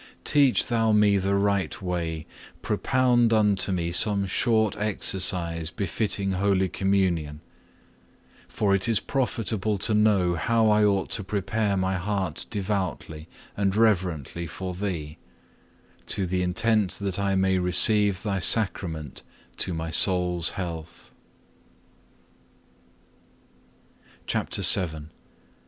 2. Teach Thou me the right way; propound unto me some short exercise befitting Holy Communion. For it is profitable to know how I ought to prepare my heart devoutly and reverently for Thee, to the intent that I may receive Thy Sacrament to my soul's health [or it may be also for the celebrating this so great and divine mystery].